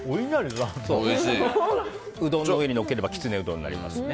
うどんの上にのっければきつねうどんになりますね。